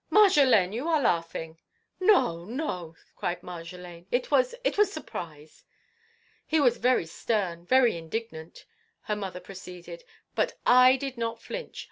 "Marjolaine, you are laughing!" "No, no!" cried Marjolaine, "it was—it was surprise." "He was very stern, very indignant," her mother proceeded; "but I did not flinch.